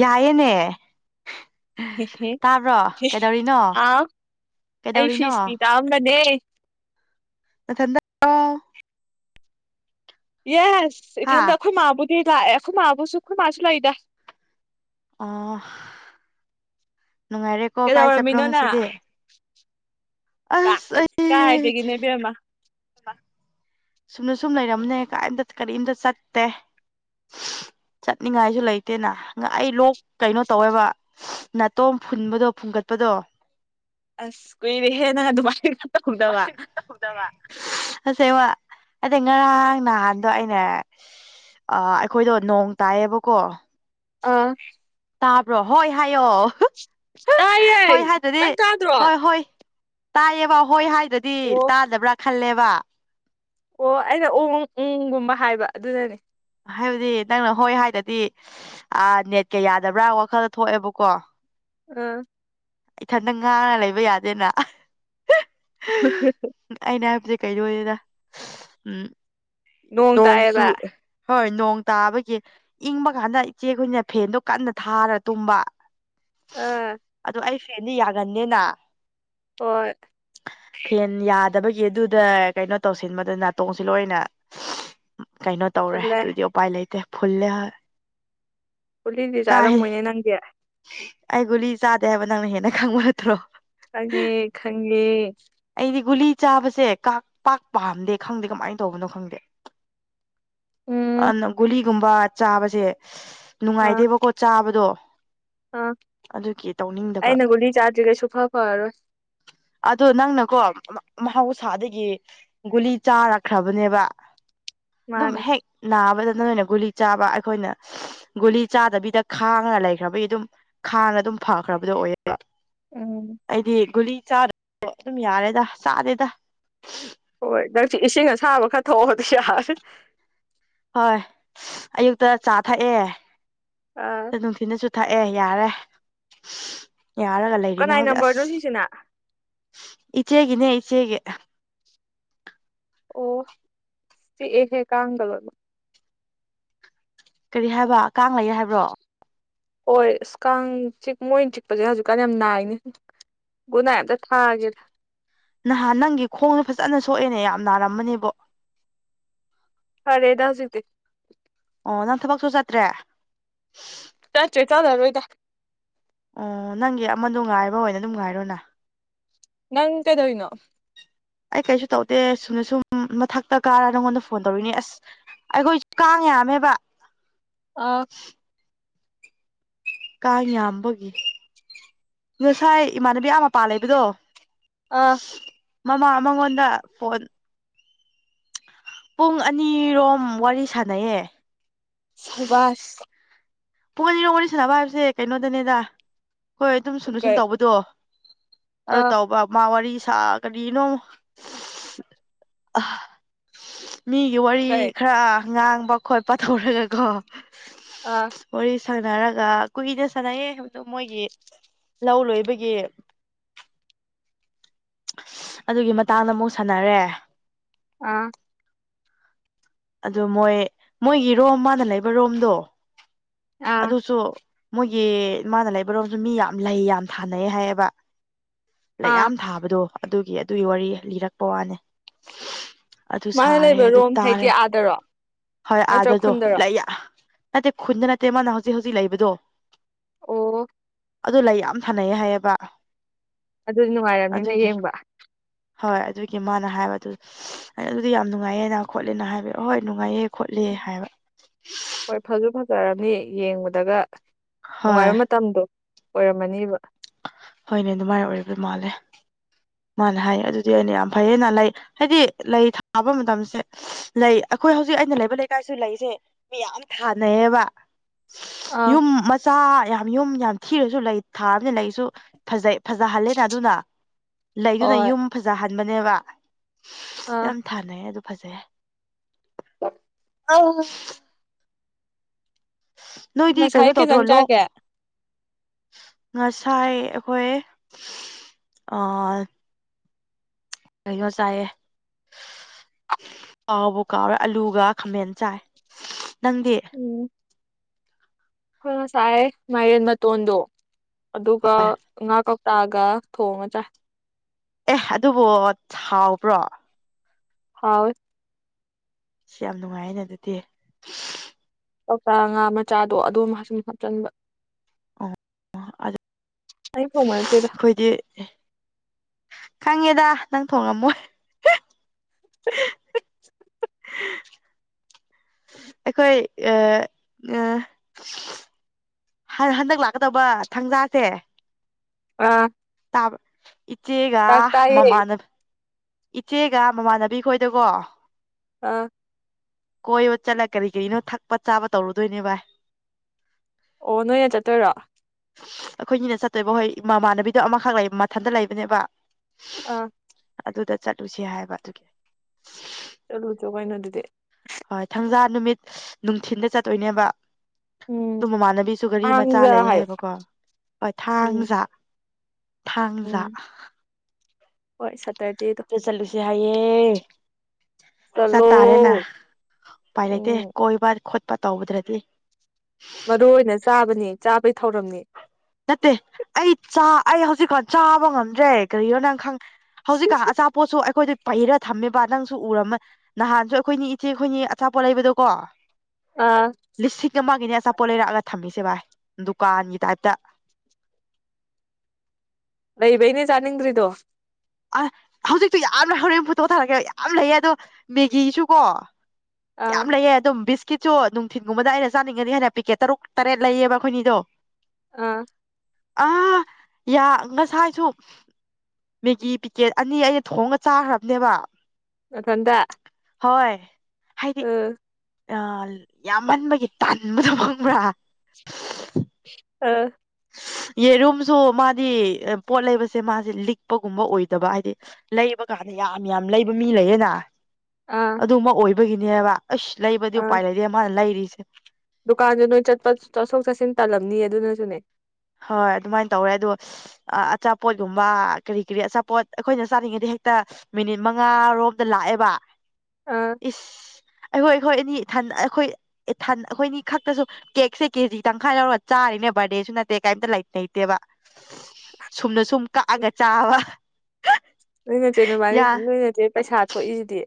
ꯌꯥꯏꯌ‌ꯦꯅꯦ ꯑꯥ ꯇꯥꯕ꯭ꯔꯣ ꯀꯩꯗꯧꯔꯤꯅꯣ ꯀꯩꯗꯧꯔꯤꯅꯣ ꯔꯥꯝꯗꯅꯦ ꯅꯊꯟꯗ ꯑꯣ ꯌꯦꯁ ꯍꯥ ꯏꯊꯟꯗ ꯑꯩꯈꯣꯏ ꯃꯥꯕꯨꯗꯤ ꯂꯥꯛꯑꯦ ꯑꯩꯈꯣꯏ ꯃꯥꯕꯨꯁꯨ ꯑꯩꯈꯣꯏ ꯃꯥꯁꯨ ꯂꯩꯗ ꯑꯣ ꯅꯨꯡꯉꯥꯏꯔꯦꯀꯣ ꯀꯥꯏ ꯆꯠꯄ꯭ꯔꯣ ꯀꯩꯗꯧꯔꯝꯃꯤꯅꯣ ꯉꯁꯤꯗꯤ ꯀ ꯑꯁ ꯑꯩ ꯀꯥꯏꯗꯒꯤꯅ‌ꯣ ꯏꯕꯦꯝꯃꯥ [unintelligible] ꯁꯨꯝꯅ ꯁꯨꯝ ꯂꯩꯔꯝꯅꯦ ꯀꯥꯏꯝꯇ ꯀꯔꯤꯝꯇ ꯆꯠꯇꯦ ꯆꯠꯅꯤꯡꯉꯥꯏꯁꯨ ꯂꯩꯇꯦꯅ ꯑꯩ ꯂꯣꯛ ꯀꯩꯅꯣ ꯇꯧꯋꯦꯕ ꯅꯥꯇꯣꯝ ꯐꯨꯟꯕꯗꯣ ꯐꯨꯡꯒꯠꯄꯗꯣ ꯑꯁ ꯀꯨꯏꯔꯦꯍ‌ꯦ ꯅꯪ ꯑꯗꯨꯃꯥꯏꯅꯒ ꯇꯧꯗꯕ [unintelligible] ꯑꯁꯦꯡꯕ ꯑꯗꯩ ꯉꯔꯥꯡ ꯅꯍꯥꯟꯗꯣ ꯑꯩꯅꯦ ꯑ ꯑꯩꯈꯣꯏꯗꯣ ꯅꯣꯡ ꯇꯥꯏꯌꯦꯕꯀꯣ ꯑꯥ ꯇꯥꯕ꯭ꯔꯣ ꯍꯣꯏ ꯍꯥꯏꯌꯣ ꯇꯥꯏꯌꯦ ꯍꯣꯏ ꯍꯥꯏꯗ꯭ꯔꯗꯤ ꯅꯪ ꯇꯥꯗ꯭ꯔꯣ ꯑꯣ ꯍꯣꯏ ꯍꯣꯏ ꯇꯥꯏꯌꯦꯕ ꯍꯣꯏ ꯍꯥꯏꯗꯗꯤ ꯇꯥꯗꯕ꯭ꯔꯥ ꯈꯜꯂꯦꯕ ꯑꯣ ꯑꯩꯅ ꯑꯣꯡ ꯎꯪꯒꯨꯝꯕ ꯍꯥꯏꯕ ꯑꯗꯨꯅꯅꯦ ꯍꯥꯏꯕꯗꯤ ꯅꯪꯅ ꯍꯣꯏ ꯍꯥꯏꯗꯗꯤ ꯑꯥ ꯅꯦꯠꯀ ꯌꯥꯗꯕ꯭ꯔꯥ ꯋꯥꯈꯜꯗ ꯊꯣꯛꯑꯦꯕꯀꯣ ꯑ ꯏꯊꯟꯗ ꯉꯥꯡꯉ ꯂꯩꯕ ꯌꯥꯗꯦꯅ [unintelligible] ꯑꯩꯅ ꯍꯥꯏꯕꯁꯦ ꯀꯩꯅ‌ꯣ ꯑꯣꯏꯗꯦꯗ ꯎꯝ ꯅꯣꯡ ꯅꯣꯡꯁꯨ ꯇꯥꯏꯌꯦꯕ ꯍꯣꯏ ꯅꯣꯡ ꯇꯥꯕꯒꯤ ꯏꯪꯕ ꯀꯥꯟꯗ ꯏꯆꯦꯈꯣꯏꯅ ꯐꯦꯟꯗꯣ ꯀꯟꯅ ꯊꯥꯔ ꯇꯨꯝꯕ ꯑꯥ ꯑꯗꯨ ꯑꯩ ꯐꯦꯟꯗꯤ ꯌꯥꯒꯟꯗ‌ꯦꯅꯥ ꯍꯣꯏ ꯐꯦꯟ ꯌꯥꯗꯕꯒꯤ ꯑꯗꯨꯗ ꯀꯩꯅꯣ ꯇꯧꯁꯤꯟꯕꯗ ꯅꯥꯇꯣꯡꯁꯤ ꯂꯣꯏꯅ ꯀꯩꯅꯣ ꯇꯧꯔꯦ ꯐꯨꯜꯂꯦ ꯑꯗꯨꯗꯤ ꯎꯄꯥꯏ ꯂꯩꯇꯦ ꯐꯨꯜꯂꯦ ꯍ‌ꯣꯏ ꯒꯨꯂꯤꯗꯤ ꯆꯥꯔꯝꯃꯣꯏꯅꯦ ꯅꯪꯗꯤ ꯑꯩ ꯒꯨꯂꯤ ꯆꯥꯗꯦ ꯍꯥꯏꯕ ꯅꯪꯅ ꯍꯦꯟꯅ ꯈꯪꯕ ꯅꯠꯇ꯭ꯔꯣ ꯈꯪꯉꯦ ꯈꯪꯉꯦ ꯑꯩꯗꯤ ꯒꯨꯂꯤ ꯆꯥꯕꯁꯦ ꯀ ꯄꯥꯛ ꯄꯥꯝꯗꯦ ꯈꯪꯗꯦ ꯀꯃꯥꯏꯟ ꯇꯧꯕꯅꯣ ꯈꯪꯗꯦ ꯎꯝ ꯑꯗꯅ ꯒꯨꯂꯤꯒꯨꯝꯕ ꯆꯥꯕꯁꯦ ꯑꯥ ꯅꯨꯡꯉꯥꯏꯇꯦꯕꯀꯣ ꯆꯥꯕꯗꯣ ꯑꯥ ꯑꯗꯨꯒꯤ ꯇꯧꯅꯤꯡꯗꯕ ꯑꯩꯅ ꯒꯨꯂꯤ ꯆꯥꯗ꯭ꯔꯤꯒꯩ ꯁꯨꯡꯐ ꯐꯔꯔꯣꯏ ꯑꯗꯣ ꯅꯪꯅꯀꯣ ꯃ ꯃꯍꯧꯁꯥꯗꯒꯤ ꯒꯨꯂꯤ ꯆꯥꯔꯛꯈ꯭ꯔꯕꯅꯦꯕ ꯑꯗꯨꯝ ꯃꯥꯅꯤ ꯍꯦꯛ ꯅꯥꯕꯗ ꯅ‌ꯣꯏꯅ ꯒꯨꯂꯤ ꯆꯥꯕ ꯑꯩꯈꯣꯏꯅ ꯒꯨꯂꯤ ꯆꯥꯗꯕꯤꯗ ꯈꯥꯡꯉꯒ ꯂꯩꯈ꯭ꯔꯕꯩ ꯑꯗꯨꯝ ꯈꯥꯡꯂ ꯗꯨꯝ ꯐꯈ꯭ꯔꯕꯗꯣ ꯑꯣꯏꯌ‌ꯦꯕ ꯎꯝ ꯑꯩꯗꯤ ꯒꯨꯂꯤ ꯆꯥꯗ꯭ꯔ [inaudible] ꯑꯗꯨꯝ ꯌꯥꯔꯦꯗ ꯆꯥꯗꯦꯗ ꯍꯣꯏ ꯅꯪꯁꯤ ꯏꯁꯤꯡ ꯑꯁꯥꯕ ꯈꯔ ꯊꯣꯛꯑꯗꯤ ꯌꯥꯔꯦ ꯍꯣꯏ ꯑꯌꯨꯛꯇ ꯆꯥ ꯊꯛꯑꯦ ꯑ ꯑꯗ ꯅꯨꯡꯊꯤꯅꯁꯨ ꯊꯛꯑꯦ ꯌꯥꯔꯦ ꯌꯥꯔꯒ ꯂꯩꯔꯤꯅꯦ ꯀꯅꯥꯏ ꯍꯧꯖꯤꯛ ꯑꯁ ꯅꯝꯕꯔꯅꯣ ꯁꯤꯁꯤꯅ ꯏꯆꯦꯒꯤꯅꯦ ꯏꯆꯦꯒꯤ ꯑꯣ ꯆꯤꯛꯑꯦꯍꯦ ꯀꯥꯡꯒ ꯂꫭꯏꯃꯛ ꯀꯔꯤ ꯍꯥꯏꯕ ꯀꯥꯡ ꯂꯩꯑꯦ ꯍꯥꯏꯕ꯭ꯔꯣ ꯍꯣꯏ ꯑꯁ ꯀꯥꯡ ꯆꯤꯛ ꯃꯣꯏꯅ ꯆꯤꯛꯄꯁꯦ ꯍꯧꯖꯤꯛꯀꯥꯟ ꯌꯥꯝ ꯅꯥꯏꯅꯦ ꯨꯒꯨꯗ ꯅꯥꯏꯠ ꯑꯝꯇꯥ ꯊꯥꯒꯦꯗ ꯅꯍꯥꯟ ꯅꯪꯒꯤ ꯈꯣꯡꯗꯣ ꯐꯖꯅ ꯁꯣꯛꯑꯦꯅꯦ ꯌꯥꯝ ꯅꯥꯔꯝꯕꯅꯦꯕꯣ ꯐꯔꯦꯗ ꯍꯧꯖꯤꯛꯇꯤ ꯑꯣ ꯅꯪ ꯊꯕꯛꯁꯨ ꯆꯠꯇ꯭ꯔꯦ ꯆꯠ꯭ꯔꯦ ꯆꯠꯂꯔꫭꯏꯗ ꯑꯣ ꯅꯪꯒꯤ ꯑꯃꯗꯣ ꯉꯥꯏꯕ ꯑꯣꯏꯅ ꯑꯗꯨꯝ ꯉꯥꯏꯔꯣꯅ ꯅꯪ ꯀꯩꯗꯧꯏꯅꯣ ꯑꯩ ꯀꯩꯁꯨ ꯇꯧꯗꯦ ꯁꯨꯝꯅ ꯁꯨꯝ ꯃꯊꯛꯇ ꯀꯥꯔ ꯅꯪꯉꯣꯟꯗ ꯐꯣꯟ ꯇꯧꯔꯤꯅꯤ ꯑꯁ ꯑꯩꯈꯣꯏꯁꯨ ꯀꯥꯡ ꯌꯥꯝꯃꯦꯕ ꯑꯣ ꯀꯥꯡ ꯌꯥꯝꯕꯒꯤ ꯉꯁꯥꯏ ꯏꯃꯥꯟꯅꯕꯤ ꯑꯥ ꯃꯄꯥꯟ ꯂꯩꯕꯗꯣ ꯑꯥ ꯃꯃꯥ ꯃꯉꯣꯟꯗ ꯐꯣꯟ ꯄꯨꯡ ꯑꯅꯤꯔꯣꯝ ꯋꯥꯔꯤ ꯁꯥꯟꯅꯩꯌꯦ ꯁꯕꯥꯁ ꯄꯨꯡ ꯑꯅꯤꯔꯣꯝ ꯋꯥꯔꯤ ꯁꯥꯟꯅꯕ ꯍꯥꯏꯕꯁꯦ ꯀꯩꯅꯣꯗꯅꯦꯗ ꯍꯣꯏ ꯑꯗꯨꯝ ꯁꯨꯝꯅ ꯁꯨꯝ ꯀꯩ ꯇꯧꯕꯗꯣ ꯑꯔꯣ ꯑꯥ ꯇꯧꯕ ꯃꯥ ꯋꯥꯔꯤ ꯁꯥ ꯀꯔꯤꯅꯣ ꯃꯤꯒꯤ ꯋꯥꯔꯤ ꯀꯩ ꯈꯔ ꯉꯥꯡꯕ ꯈꯣꯠꯄ ꯇꯧꯔꯒꯀꯣ ꯑꯥ ꯋꯥꯔꯤ ꯁꯥꯟꯅꯔꯒ ꯀꯨꯏꯅ ꯁꯥꯟꯅꯩꯑꯌꯦ ꯍꯥꯏꯕꯗꯣ ꯃꯣꯏꯒꯤ ꯂꯧ ꯂꯣꯏꯕꯒꯤ ꯑꯗꯨꯒꯤ ꯃꯇꯥꯡꯗ ꯑꯃꯨꯛ ꯁꯥꯟꯅꯔꯦ ꯑꯥ ꯑꯗꯨ ꯃꯣꯏ ꯃꯣꯏꯒꯤ ꯔꯣꯝ ꯃꯥꯅ ꯂꯩꯕ ꯔꯣꯝꯗꯣ ꯑꯥ ꯑꯗꯨꯁꯨ ꯃꯣꯏꯒꯤ ꯃꯥꯅ ꯂꯩꯕꯔꯣꯝꯗꯨ ꯃꯤ ꯌꯥꯝ ꯂꯩ ꯌꯥꯝ ꯊꯥꯅꯩ ꯍꯥꯏꯌꯦꯕ꯫ ꯂꯩ ꯑꯥ ꯌꯥꯝ ꯊꯥꯕꯗꯣ ꯑꯗꯨꯒꯤ ꯑꯗꯨꯒꯤ ꯋꯥꯔꯤ ꯂꯤꯔꯛꯄ ꯋꯥꯅꯤ꯫ ꯑꯗꯨ ꯃꯥꯅ ꯁꯥꯔꯦ ꯂꯩꯕ ꯑꯗꯨ ꯔꯣꯝ ꯍꯥꯏꯗꯤ ꯇꯥꯔꯦ ꯑꯥꯗꯔꯣ ꯍꯣꯏ ꯅꯠꯇ꯭ꯔ ꯑꯥꯗꯗꯣ ꯈꯨꯟꯗꯔꯣ ꯂꯩꯌꯥ ꯅꯠꯇꯦ ꯈꯨꯟꯗ ꯅꯠꯇꯦ ꯃꯥꯅ ꯍꯧꯖꯤꯛ ꯍꯧꯖꯤꯛ ꯂꯩꯕꯗꯣ ꯑꯣ ꯑꯗꯨ ꯂꯩ ꯌꯥꯝ ꯊꯥꯅꯩ ꯍꯥꯏꯌꯦꯕ꯫ ꯑꯗꯨꯗꯤ ꯅꯨꯡꯉꯥꯏꯔꯝꯅꯤꯅ ꯑꯗꯨꯒꯤ ꯌꯦꯡꯕ ꯍꯣꯏ ꯑꯗꯨꯒꯤ ꯃꯥꯅ ꯍꯥꯏꯕ ꯑꯗꯨ ꯑꯩꯅ ꯑꯗꯨꯗꯤ ꯌꯥꯝ ꯅꯨꯡꯉꯥꯏꯌꯦꯅ ꯈꯣꯠꯂꯦꯅ ꯍꯥꯏꯕꯤ ꯑꯍꯣꯏ ꯅꯨꯡꯉꯥꯏꯌꯦ ꯈꯣꯠꯂꯦ ꯍꯥꯏꯕ꯫ ꯍꯣꯏ ꯐꯖꯨ ꯐꯖꯔꯅꯤ ꯌꯦꯡꯕꯗꯒ ꯍꯣꯏ ꯅꯨꯡꯉꯥꯏꯕ ꯃꯇꯝꯗꯣ꯫ ꯑꯣꯏꯔꯝꯃꯅꯤꯕ ꯍꯣꯏꯅꯦ ꯗꯨꯃꯥꯏ ꯑꯣꯏꯔꯝꯗꯨꯏ ꯃꯥꯜꯂꯦ꯫ ꯃꯥꯅ ꯍꯥꯏꯌꯦ ꯑꯗꯨꯗꯤ ꯑꯩꯅ ꯌꯥꯝ ꯐꯩꯌꯦꯅ ꯂꯩ ꯍꯥꯏꯗꯤ ꯂꯩ ꯊꯥꯕ ꯃꯇꯝꯁꯦ ꯂꯩ ꯑꯈꯣꯏ ꯍꯧꯖꯤꯛ ꯑꯩꯅ ꯂꯩꯕ ꯂꯩꯀꯥꯏꯁꯨ ꯂꯩꯁꯦ ꯃꯤꯌꯥꯝ ꯊꯥꯅꯩꯌꯦꯕ꯫ ꯑꯥ ꯌꯨꯝ ꯃ ꯆꯥ ꯌꯥꯝ ꯌꯨꯝ ꯌꯥꯝ ꯊꯤꯔꯁꯨ ꯂꯩ ꯊꯥꯕꯅꯤꯅ ꯂꯩꯁꯨ ꯐꯖꯩ ꯐꯖꯍꯜꯂꯦꯅ ꯑꯗꯨꯅ ꯂꯩꯗꯨꯅ ꯍꯣꯏ ꯌꯨꯝ ꯐꯖꯍꯟꯕꯅꯦꯕ ꯑꯥ ꯌꯥꯝ ꯊꯥꯅꯩ ꯑꯗꯨ ꯐꯖꯩ꯫ ꯑꯧ ꯅꯣꯏꯗꯤ ꯀꯩꯅꯣ ꯉꯁꯥꯏ ꯇꯧꯗ꯭ꯔꯣ ꯀꯩꯖꯥꯡ ꯂꯣꯛ ꯆꯥꯒꯦ ꯉꯁꯥꯏ ꯑꯈꯣꯏ ꯑꯥ ꯀꯩꯅꯣ ꯆꯥꯏꯌꯦ ꯀꯥꯎꯕꯨ ꯀꯥꯎꯔꯦ ꯑꯂꯨꯒ ꯈꯥꯃꯦꯟ ꯆꯥꯏ ꯅꯪꯗꯤ? ꯑꯣ ꯑꯈꯣꯏ ꯉꯁꯥꯏ ꯃꯥꯏꯔꯦꯟ ꯃꯇꯣꯟꯗꯣ ꯑꯗꯨꯒ ꯉꯥ ꯀꯧꯇꯥꯒ ꯊꯣꯡꯉ ꯆꯥꯏ꯫ ꯑꯦꯍ ꯑꯗꯨꯕꯨ ꯍꯥꯎꯕ꯭ꯔꯣ? ꯍꯥꯎꯏ꯫ ꯁꯤ ꯌꯥꯝ ꯅꯨꯡꯉꯥꯏꯅꯦ ꯑꯗꯨꯗꯤ ꯀꯣꯛꯇꯥ ꯉꯥ ꯃꯆꯥꯗꯣ ꯑꯗꯨꯝ ꯍꯥꯞ ꯁꯨꯝ ꯍꯥꯞꯆꯟꯕ [unintelligible] ꯑꯩ ꯊꯣꯡꯕ ꯅꯠꯇꯦꯗ ꯈꯣꯏꯗꯤ ꯈꯪꯉꯦꯗ ꯅꯪ ꯊꯣꯡꯉꯝꯃꯣꯏ꯫ [unintelligible] ꯑꯩꯈꯣꯏ ꯍꯟ ꯍꯟꯗꯛ ꯂꯥꯛꯀꯗꯕ ꯊꯥꯡꯖꯥꯁꯦ ꯑꯥ ꯇꯥꯕ ꯏꯆꯦꯒ ꯆꯥꯛ ꯆꯥꯏꯌꯦ ꯃꯃꯥꯟꯅ ꯏꯆꯦꯒ ꯃꯃꯥꯟꯅꯕꯤ ꯈꯣꯏꯗꯀꯣ ꯑꯥ ꯀꯣꯏꯕ ꯆꯠꯂ ꯀꯔꯤ ꯀꯔꯤꯅꯣ ꯊꯛꯄ ꯆꯥꯕ ꯇꯧꯔꯨꯗꯣꯏꯅꯦ ꯚꯥꯏ꯫ ꯑꯣ ꯅꯣꯏꯅ ꯆꯠꯇꯣꯏꯔꯣ? ꯑꯈꯣꯏꯅꯤꯅ ꯆꯠꯇꯣꯏꯕ ꯍꯣꯏ ꯏꯃꯥꯟꯅꯕꯤꯗꯣ ꯑꯃꯈꯛ ꯂꯩ ꯃꯊꯟꯇ ꯂꯩꯕꯅꯦꯕ꯫ ꯑꯥ ꯑꯗꯨꯗ ꯆꯠꯂꯨꯁꯤ ꯍꯥꯏꯕ ꯑꯗꯨꯒꯤ ꯆꯠꯂꯨꯆꯣ ꯀꯩꯅꯣ ꯑꯗꯨꯗꯤ ꯍꯣꯏ ꯊꯥꯡꯖꯥ ꯅꯨꯃꯤꯠ ꯅꯨꯡꯊꯤꯟꯗ ꯆꯠꯇꯣꯏꯅꯦꯕ꯫ ꯑꯗꯨ ꯎꯝ ꯃꯃꯥꯟꯅꯕꯤꯁꯨ ꯒꯥꯔꯤ ꯃꯆꯥ ꯊꯥꯡꯖ ꯂꯩ ꯍꯥꯏꯌꯣ ꯍꯥꯏꯕꯀꯣ ꯍꯣꯏ ꯎꯝ ꯊꯥꯡꯖꯥ ꯊꯥꯡꯖꯥ ꯎꯝ ꯍꯣꯏ ꯁꯇꯔꯗꯦꯗꯣ ꯆꯠꯂꯨꯁꯤ ꯍꯥꯏꯌꯦ ꯆꯠ ꯆꯠꯂꯣ ꯇꯥꯔꯦꯅ ꯎꯄꯥꯏ ꯂꯩꯇꯦ ꯎꯝ ꯀꯣꯏꯕ ꯈꯣꯠꯄ ꯇꯧꯗ꯭ꯔꯗꯤ ꯃꯔꯨ ꯑꯣꯏꯅ ꯆꯥꯕꯅꯤ ꯆꯥꯕꯩ ꯊꯧꯔꯝꯅꯤ꯫ ꯅꯠꯇꯦ ꯑꯩ ꯆꯥ ꯑꯩ ꯍꯧꯖꯤꯛꯀꯥꯟ ꯆꯥꯕ ꯉꯝꯗ꯭ꯔꯦ ꯀꯔꯤꯅꯣ ꯅꯪ ꯈꯪ ꯍꯧꯖꯤꯛꯀꯥꯟ ꯑꯆꯥ ꯄꯣꯠꯁꯨ ꯑꯩꯈꯣꯏꯗ ꯄꯩꯔ ꯊꯝꯃꯦꯕ ꯅꯪꯁꯨ ꯎꯔꯝꯃ ꯅꯍꯥꯟꯁꯨ ꯑꯩꯈꯣꯏꯅꯤ ꯏꯆꯦ ꯑꯩꯈꯣꯏꯅꯤ ꯑꯆꯥꯄꯣꯠ ꯂꯩꯕꯗꯣ ꯀꯣ ꯑꯥ ꯂꯤꯁꯤꯡ ꯑꯃꯒꯤꯅꯦ ꯑꯆꯥꯄꯣꯠ ꯂꯩꯔꯛꯑꯒ ꯊꯝꯃꯤꯁꯦ ꯚꯥꯏ ꯗꯨꯀꯥꯟꯒꯤ ꯇꯥꯏꯞꯇ ꯂꯩꯕꯩꯅꯦ ꯆꯥꯅꯤꯡꯗ꯭ꯔꯤꯗꯣ ꯑ ꯍꯧꯖꯤꯛꯇꯣ ꯌꯥꯝ ꯂꯩ ꯍꯣꯔꯦꯟ ꯐꯨꯠꯇꯣ ꯊꯥꯔꯛꯀꯦꯕ ꯌꯥꯝ ꯂꯩꯌꯦ ꯑꯗꯣ ꯃꯦꯒꯤꯁꯨ ꯀꯣ ꯑꯥ ꯌꯥꯝ ꯂꯩꯌꯦ ꯗꯨꯝ ꯕꯤꯁ ꯀꯦꯠꯁꯨ ꯅꯨꯡꯊꯤꯟꯒꯨꯝꯕꯗ ꯑꯩꯅ ꯆꯥꯅꯤꯡꯉꯗꯤ ꯍꯥꯏꯅ ꯄꯤꯀꯦꯠ ꯇꯔꯨꯛ ꯇꯔꯦꯠ ꯂꯩꯌꯦꯕ ꯈꯣꯏꯅꯤꯗꯣ ꯑ ꯑꯥ ꯌꯥ ꯉꯁꯥꯏꯁꯨ ꯃꯦꯒꯤ ꯄꯤꯀꯦꯠ ꯑꯅꯤ ꯑꯩꯅ ꯊꯣꯡꯉ ꯆꯥꯈ꯭ꯔꯕꯅꯦꯕ ꯅꯊꯟꯗ ꯍꯣꯏ ꯍꯥꯏ [unintelligible] ꯑ ꯌꯥꯝꯃꯟꯕꯒꯤ ꯇꯟꯕꯗ‌ꯣ ꯈꯪꯕ꯭ꯔꯥ ꯑꯥ ꯌꯦꯔꯨꯝꯁꯨ ꯃꯥꯗꯤ ꯄꯣꯠ ꯂꯩꯕꯁꯦ ꯃꯥꯁꯦ ꯂꯤꯛꯄꯒꯨꯝꯕ ꯑꯣꯏꯗꯕ ꯍꯥꯏꯗꯤ ꯂꯩꯕ ꯀꯥꯟꯗ ꯌꯥꯝ ꯌꯥꯝ ꯂꯩꯕ ꯃꯤ ꯂꯩꯌꯦꯅ ꯑꯥ ꯑꯗꯨꯝꯃ ꯑꯣꯏꯕꯒꯤꯅꯦꯕ ꯑꯁ ꯂꯩꯕꯗꯤ ꯎꯄꯥꯏ ꯂꯩꯗ‌ꯦ ꯃꯥꯅ ꯂꯩꯔꯤꯁꯦ ꯗꯨꯀꯥꯟꯁꯨ ꯅꯣꯏ ꯆꯠꯄ ꯆꯠꯊꯣꯛ ꯆꯠꯁꯤꯟ ꯇꯜꯂꯝꯅꯤꯌ‌ꯦ ꯑꯗꯨꯅꯁꯨꯅꯦ ꯍꯣꯏ ꯑꯗꯨꯃꯥꯏꯅ ꯇꯧꯋꯦ ꯑꯗꯣ ꯑ ꯑꯆꯥꯄꯣꯠꯌ‌ꯣꯝꯕ ꯀꯔꯤ ꯀꯔꯤ ꯑꯆꯥꯄꯣꯠ ꯑꯩꯈꯣꯏꯅ ꯆꯥꯅꯤꯡꯉꯗꯤ ꯍꯦꯛꯇ ꯃꯤꯅꯤꯠ ꯃꯉꯥꯔꯣꯝꯗ ꯂꯥꯛꯑꯦꯕ ꯑꯥ ꯏꯁ ꯑꯩꯈꯣꯏ ꯑꯩꯈꯣꯏ ꯑꯅꯤ ꯊꯟ ꯑꯩꯈꯣꯏ ꯏꯊꯠ ꯑꯩꯈꯣꯏꯅꯤ ꯈꯛꯇꯁꯨ ꯀꯦꯛꯁꯦ ꯀꯦ ꯖꯤ ꯇꯪꯈꯥꯏ ꯂꯧꯔ ꯆꯥꯔꯤꯅꯦ ꯕꯥꯔꯗꯦꯁꯨ ꯅꯠ ꯇ‌ꯦ ꯀꯥꯏꯝꯇ ꯂꯧꯠ ꯂꯩꯇ‌ꯦꯕ ꯁꯨꯝꯅ ꯁꯨꯝ ꯀꯛꯑꯒ ꯆꯥꯕ ꯅꯣꯏꯅꯆꯦ ꯌꯥ ꯅꯕꯥꯏꯅꯤ ꯅꯣꯏꯅꯆꯦ ꯄꯩꯁꯥ ꯊꯣꯛꯏꯁꯤꯗꯤ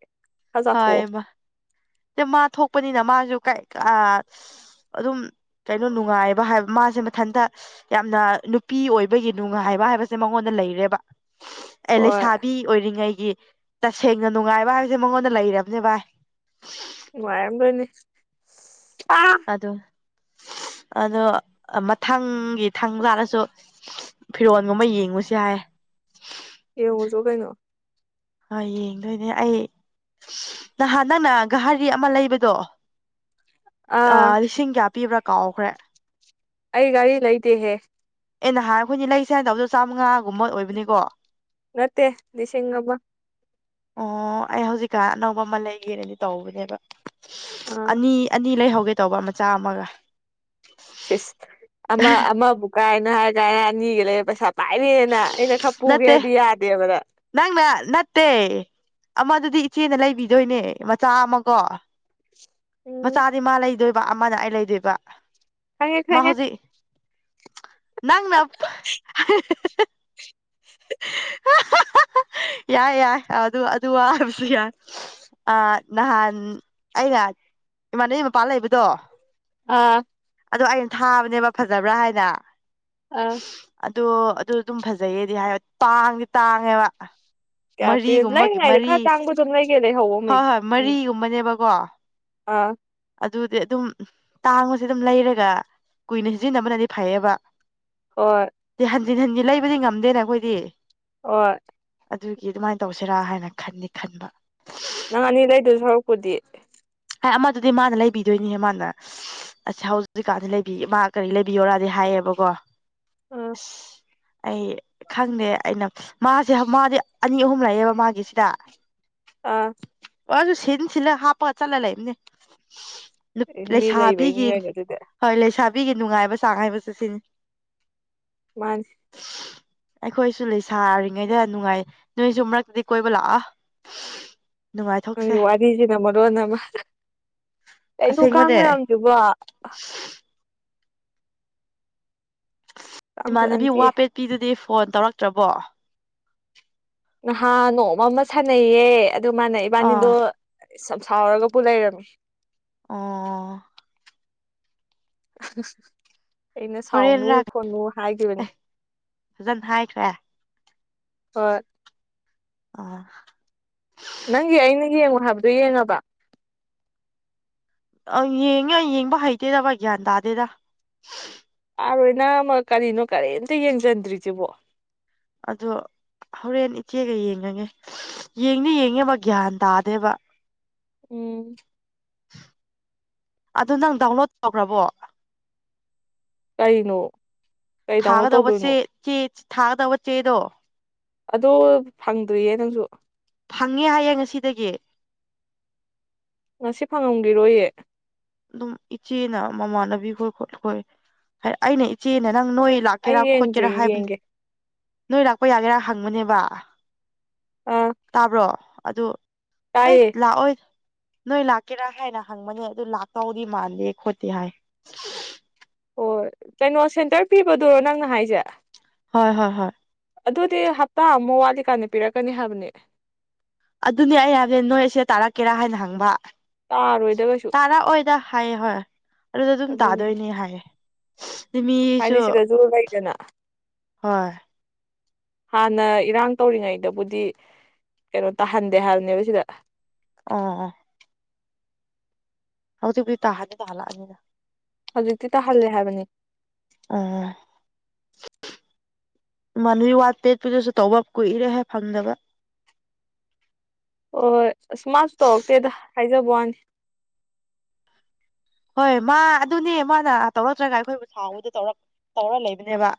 ꯈꯔ ꯍꯣꯏ ꯆꯥꯊꯣꯛꯑꯣ ꯃꯥ ꯃꯥ ꯊꯣꯛꯄꯅꯤꯅ ꯃꯥꯁꯨ ꯑꯥ ꯑꯗꯨꯝ ꯀꯩꯅꯣ ꯅꯨꯡꯉꯥꯏꯕ ꯍꯥꯏꯕ ꯃꯥꯁꯦ ꯃꯊꯟꯇ ꯌꯥꯝꯅ ꯅꯨꯄꯤ ꯑꯣꯏꯕꯒꯤ ꯅꯨꯡꯉꯥꯏꯕ ꯍꯥꯏꯕꯁꯦ ꯃꯉꯣꯟꯗ ꯂꯩꯔꯦꯕ ꯑꯦ ꯍꯣꯏ ꯂꯩꯁꯥꯕꯤ ꯑꯣꯏꯔꯤꯉꯩꯒꯤ ꯇꯁꯦꯡꯅ ꯅꯨꯡꯉꯥꯏꯕ ꯍꯥꯏꯕꯁꯦ ꯃꯉꯣꯟꯗ ꯂꯩꯔꯕꯅꯦ ꯚꯥꯏ ꯅꯨꯡꯉꯥꯏꯔꯝ ꯗ‌ꯣꯏꯅꯦ ꯑꯥ ꯑꯗ‌ꯣ ꯑꯗꯣ ꯃꯊꯪꯒꯤ ꯊꯪ ꯂꯥꯜꯂꯁꯨ ꯐꯤꯔꯣꯟꯒꯨꯝꯕ ꯌꯦꯡꯉꯨꯁ‌ꯦ ꯍꯥꯏꯌꯦ ꯌꯦꯡꯉꯨꯆꯣ ꯀꯩꯅꯣ ꯍꯣꯏ ꯌꯦꯡꯗꯣꯏꯅꯦ ꯑꯩ ꯅꯍꯥꯟ ꯅꯪꯅ ꯘꯍꯥꯔꯤ ꯑꯃ ꯂꯩꯕꯗꯣ ꯑꯥ ꯂꯤꯁꯤꯡ ꯀꯌꯥ ꯄꯤꯕ꯭ꯔꯥ ꯀꯥꯎꯈ꯭ꯔꯦ ꯑꯩ ꯘꯔꯤ ꯂꯩꯗꯦꯍꯦ ꯑꯦ ꯅꯍꯥꯟ ꯑꯈ‌ꯣꯏꯅꯤ ꯂꯩꯁ‌ꯦ ꯍꯥꯏꯅ ꯇꯧꯕꯗꯣ ꯆꯥꯝꯃꯉꯥꯒꯨꯝꯕ ꯑꯣꯏꯕꯅꯤꯀꯣ ꯅꯠꯇ‌ꯦ ꯂꯤꯁꯤꯡ ꯑꯃ ꯑꯣ ꯑꯩ ꯍꯧꯖꯤꯛꯀꯥꯟ ꯑꯅꯧꯕ ꯑꯃ ꯂꯩꯒꯦꯅꯗꯤ ꯇꯧꯕꯅꯦꯕ ꯑꯥ ꯑꯅꯤ ꯑꯅꯤ ꯂꯩꯍꯧꯒꯦ ꯇꯧꯕ ꯃꯆꯥ ꯑꯃꯒ ꯁꯤꯁ ꯑꯃ ꯑꯃꯕꯨꯛ ꯀꯥꯏꯅ‌ꯣ ꯍꯥꯥꯏꯒꯥꯏ ꯑꯅꯤꯒ ꯂꯩ ꯄꯩꯁꯥ ꯄꯥꯏꯔ‌ꯦꯅꯦ ꯅꯪ ꯑꯩꯅ ꯈꯔ ꯅꯠꯇꯦ ꯄꯨꯒꯦꯗꯤ ꯌꯥꯗꯦꯕ ꯅꯪ ꯅꯪꯅ ꯅꯠꯇꯦ ꯑꯃꯗꯨꯗꯤ ꯏꯆꯦꯅ ꯂꯩꯕꯤꯗꯣꯏꯅꯦ ꯃꯆꯥ ꯑꯃꯀꯣ ꯎꯝ ꯃꯆꯥꯗꯤ ꯃꯥ ꯂꯩꯗꯣꯏꯕ ꯑꯃꯅ ꯑꯩ ꯂꯩꯗꯣꯏꯕ ꯈꯪꯉꯦ ꯃꯥ ꯈꯪꯉꯦ ꯍꯧꯖꯤꯛ ꯅꯪꯅ [inaudible] ꯌꯥꯏ ꯌꯥꯏ ꯑꯗꯨ ꯑꯗꯨ ꯋꯥ ꯍꯥꯏꯕꯁꯨ ꯌꯥꯏ ꯑ ꯅꯍꯥꯟ ꯑꯩꯅ ꯏꯃꯥꯟꯅꯕꯤ ꯃꯄꯥ ꯂꯩꯕꯗꯣ ꯑꯥ ꯑꯗꯣ ꯑꯩꯅ ꯊꯥꯕꯅꯦꯕ ꯐꯖꯕ꯭ꯔꯥ ꯍꯥꯏꯅ ꯑ ꯑꯗꯣ ꯑꯗꯨ ꯑꯗꯨꯝ ꯐꯖꯩꯌꯦꯗꯤ ꯍꯥꯏ ꯇꯥꯡꯗꯤ ꯇꯥꯡꯉꯦꯕ ꯀꯌꯥ ꯄꯤ ꯃꯔꯤꯒꯨꯝꯕꯒꯤ ꯂꯩꯔꯤꯉꯩꯏꯗ ꯃꯔꯤ ꯈꯔ ꯇꯥꯡꯕꯗꯣ ꯗꯣꯝ ꯂꯩꯒꯦ ꯂꯩꯍꯧꯌꯣ ꯃꯦꯛ ꯎꯝꯕꯅꯦꯕꯀꯣ ꯑ ꯑꯗꯨꯗꯤ ꯑꯗꯨꯝ ꯇꯥꯡꯕꯁꯦ ꯑꯗꯨꯝ ꯂꯩꯔꯒ ꯀꯨꯏꯅ ꯁꯤꯖꯤꯟꯅꯕꯅꯗꯤ ꯐꯩꯌꯦꯕ ꯍꯣꯏ ꯁꯤ ꯍꯟꯖꯤꯟ ꯍꯟꯖꯤꯟ ꯂꯩꯕꯗꯤ ꯉꯝꯗꯦꯅꯦ ꯑꯈꯣꯏꯗꯤ ꯑꯣꯏ ꯑꯗꯨꯒꯤ ꯑꯗꯨꯃꯥꯏꯟ ꯇꯧꯁꯤꯔꯥ ꯍꯥꯏꯅ ꯈꯟꯗꯤ ꯈꯟꯕ ꯅꯪ ꯑꯅꯤ ꯂꯩꯗꯣꯏ ꯁꯔꯨꯛꯄꯨꯗꯤ ꯍꯦ ꯑꯃꯗꯨꯗꯤ ꯃꯥꯅ ꯂꯩꯕꯤꯗꯨꯏꯅꯤꯍꯦ ꯃꯥꯅ ꯑꯁ ꯍꯧꯖꯤꯛꯀꯥꯟꯗꯤ ꯂꯩꯕꯤ ꯃꯥ ꯀꯔꯤ ꯂꯩꯕꯤꯌꯣꯔꯗꯤ ꯍꯥꯏꯌꯦꯕꯀꯣ ꯑꯥ ꯑꯁ ꯑꯩ ꯈꯪꯗꯦ ꯑꯩꯅ ꯃꯥꯁꯦ ꯃꯥꯗꯤ ꯑꯅꯤ ꯑꯍꯨꯝ ꯂꯩꯌꯦꯕ ꯃꯥꯒꯤꯁꯤꯗ ꯑ ꯃꯖꯨ ꯁꯤꯟ ꯁꯤꯟꯂ ꯍꯥꯄ ꯆꯠꯂ ꯂꯩꯝꯅꯦ ꯃꯤ ꯂꯩꯕꯩꯅꯤ ꯂꯩꯁꯥꯕꯤꯒꯤꯅꯤ ꯀꯩꯅꯣ ꯑꯗꯨꯗꯤ ꯍꯣꯏ ꯂꯩꯁꯥꯕꯤꯒꯤ ꯅꯨꯡꯉꯥꯏꯕ ꯆꯥꯡ ꯍꯥꯏꯕꯁꯨ ꯁꯤꯅꯤ ꯃꯥꯅꯤ ꯑꯩꯈꯣꯏꯁꯨ ꯂꯩꯁꯥꯔꯤꯉꯩꯗ ꯅꯨꯡꯉꯥꯏ ꯅꯣꯏꯁꯨ ꯃꯔꯛꯇꯗꯤ ꯀꯣꯏꯕ ꯂꯥꯛꯑꯣ ꯅꯨꯉꯥꯏꯊꯣꯛꯁꯦ ꯕꯤꯖꯤꯅ ꯃꯔꯣꯟ ꯑꯃ ꯀꯩꯅꯣ ꯀꯥꯡ ꯑꯁꯦꯡꯕꯅꯦ ꯃꯌꯥꯝꯖꯤꯕꯣ ꯀꯥꯡ ꯏꯃꯥꯟꯅꯕꯤ ꯐꯖꯅꯗꯦ ꯋꯥ ꯄꯦꯠꯄꯤꯗꯨꯗꯤ ꯐꯣꯟ ꯇꯧꯔꯛꯇ꯭ꯔꯕꯣ ꯅꯍꯥꯟ ꯅꯣꯡꯃ ꯑꯃ ꯁꯥꯟꯅꯩꯌꯦ ꯑꯗꯨ ꯃꯥꯥꯟꯅ ꯑꯥ ꯏꯕꯥꯟꯅꯤꯗꯣ ꯁꯝ ꯁꯥꯎꯔꯒ ꯕꯨ ꯂꯩꯔꯝꯃꯤ ꯑꯣ [unintelligible] ꯑꯩꯅ ꯍꯣꯔꯦꯟ ꯁꯥꯎꯅꯨ ꯂꯥꯛ ꯈꯣꯠꯅꯨ ꯑꯦ ꯍꯥꯏꯒꯤꯕꯅꯦ ꯐꯖꯅ ꯍꯣꯏ ꯑ ꯅꯪꯒꯤ ꯑꯩꯅ ꯌꯦꯡꯉꯣ ꯍꯥꯏꯕꯗꯨ ꯌꯦꯡꯉꯕ ꯑ ꯌꯦꯡꯉꯦ ꯑꯩ ꯌꯦꯡꯕ ꯍꯩꯇꯦꯗꯕ ꯚꯥꯏ ꯒ꯭ꯌꯥꯟ ꯇꯥꯗꯦꯗ ꯑꯥꯔꯣꯏ ꯅꯪ ꯑꯃ ꯀꯔꯤꯅꯣ ꯀꯔꯤꯝꯇ ꯌꯦꯡꯖꯟꯗ꯭ꯔꯤꯁꯤꯕꯣ ꯑꯗꯣ ꯍꯣꯔꯦꯟ ꯏꯆꯦꯒ ꯌꯦꯡꯉꯒꯦ ꯌꯦꯡꯅꯤ ꯌꯦꯡꯉꯦꯕ ꯒ꯭ꯌꯥꯟ ꯇꯥꯗꯦꯕ ꯎꯝ ꯑꯗꯣ ꯅꯪ ꯗꯥꯎꯟꯂꯣꯗ ꯇꯧꯈ꯭ꯔꯕꯣ ꯀꯩꯅꯣ ꯊꯥꯒꯗꯧꯕ ꯆꯦ ꯆꯦ ꯊꯥꯒꯗꯧꯕ ꯆꯦꯗꯣ ꯑꯗꯣ ꯐꯪꯗ꯭ꯔꯤꯌꯦ ꯅꯪꯖꯨ ꯐꯪꯉꯦ ꯍꯥꯏꯌꯦ ꯉꯁꯤꯗꯒꯤ ꯉꯁꯤ ꯐꯪꯉꯝꯒꯤꯔꯣꯏꯌꯦ ꯑꯗꯨꯝ ꯏꯆꯦꯅ ꯃꯃꯥꯟꯅꯕꯤ ꯈꯣꯏ ꯈꯣꯠꯊꯣꯏ ꯍꯥꯏ ꯑꯩꯅ ꯏꯆꯦꯅ ꯅꯪ ꯅꯣꯏ ꯈꯪꯗꯦ ꯑꯩ ꯂꯥꯛꯀꯦꯔꯥ ꯌꯦꯡꯗ꯭ꯔꯤ ꯈꯣꯠꯀꯦꯔꯥ ꯍꯥꯏꯕꯟ ꯌꯦꯡꯒꯦ ꯅꯣꯏ ꯂꯥꯛꯄ ꯌꯥꯒꯦꯔꯥ ꯍꯪꯕꯅꯦꯕ ꯑꯥ ꯇꯥꯕ꯭ꯔꯣ ꯑꯗꯨ ꯑꯦ ꯇꯥꯏꯌꯦ ꯂꯥꯛꯑꯣꯏ ꯅꯣꯏ ꯂꯥꯛꯀꯦꯔꯥ ꯍꯥꯏꯅ ꯍꯪꯕꯅꯦ ꯑꯗꯨ ꯂꯛ ꯇꯧꯗꯤ ꯃꯥꯜꯂꯦ ꯈꯣꯠꯇꯦ ꯍꯥꯏ ꯍꯣꯏ ꯀꯩꯅꯣ ꯁꯦꯟꯇꯔ ꯄꯤꯕꯗꯨꯔꯣ ꯅꯪꯅ ꯍꯥꯏꯁꯦ ꯍꯣꯏ ꯍꯣꯏ ꯍꯣꯏ ꯑꯗꯨꯗꯤ ꯍꯞꯇꯥ ꯑꯃ ꯋꯥꯠꯂꯤꯀꯥꯟꯗ ꯄꯤꯔꯛꯀꯅꯤ ꯍꯥꯏꯕꯅꯦ ꯑꯗꯨꯅꯦ ꯑꯩ [unintelligible] ꯅꯣꯏ ꯑꯁꯦ ꯇꯥꯔꯛꯀꯦꯔꯥ ꯍꯥꯏꯅ ꯍꯪꯕ ꯇꯥꯔꯣꯏꯗ ꯀꯩꯁꯨ ꯇꯥꯔꯛꯑꯣꯏꯗ ꯍꯥꯏꯑꯦ ꯍꯣꯏ ꯑꯗꯨꯗ ꯑꯗꯨꯝ ꯑꯗꯨꯅꯤ ꯇꯥꯗꯣꯏꯅꯤ ꯍꯥꯏꯌꯦ [unintelligible] ꯃꯤꯁꯨ ꯍꯥꯏꯗꯤ ꯁꯤꯗꯁꯨ ꯂꯩꯗꯅ ꯍꯣꯢ ꯍꯥꯟꯅ ꯏꯔꯥꯡ ꯇꯧꯔꯤꯉꯩꯗꯕꯨꯗꯤ ꯀꯩꯅꯣ ꯇꯥꯍꯟꯗꯦ ꯍꯥꯏꯕꯅꯦꯕ ꯁꯤꯗ ꯑꯣ ꯑꯣ ꯍꯧꯖꯤꯛꯎꯗꯤ ꯇꯥꯍꯟ ꯇꯥꯍꯟꯑꯅꯤꯅ ꯍꯧꯖꯤꯛꯇꯤ ꯇꯥꯍꯜꯂꯦ ꯍꯥꯏꯕꯅꯤ ꯑꯥ ꯃꯅꯨꯢ ꯋꯥꯠꯄꯦꯠꯄꯗꯁꯨ ꯇꯧꯕ ꯀꯨꯏꯔꯦ ꯍꯦ ꯐꯪꯗꯕ ꯍꯣꯏ ꯑꯁ ꯃꯥꯁꯨ ꯇꯧꯔꯛꯇꯦꯗ ꯍꯥꯏꯖꯕ ꯋꯥꯅꯤ ꯍꯣꯏ ꯃꯥ ꯑꯗꯨꯅꯦ ꯃꯥꯅ ꯇꯧꯔꯛꯇ꯭ꯔꯒ ꯑꯩꯈꯣꯏꯕꯨ ꯁꯥꯎꯕꯗ ꯇꯧꯔꯛ ꯇꯧꯔ ꯂ ꯩꯕꯅꯦꯕ